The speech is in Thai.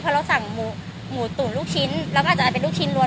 พอเราสั่งหมูตุ๋นลูกชิ้นแล้วก็อาจจะเป็นลูกชิ้นล้วน